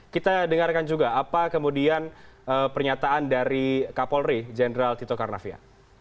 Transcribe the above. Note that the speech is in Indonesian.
kita dengarkan juga apa kemudian pernyataan dari kapolri jenderal tito karnavia